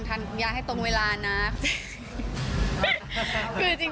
ออกงานอีเวนท์ครั้งแรกไปรับรางวัลเกี่ยวกับลูกทุ่ง